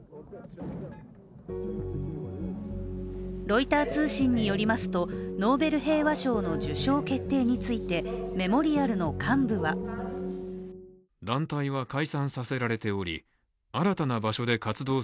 ロイター通信によりますとノーベル平和賞の受賞決定についてメモリアルの幹部はくしくも